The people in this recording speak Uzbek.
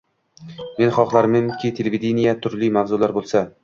Men xohlardimki, televideniyeda turli mavzular bo’lsa.